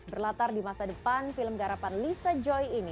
berlatar di masa depan film garapan lisa joy ini